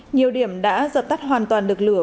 nhiều điểm đã giật tắt hoàn toàn được lửa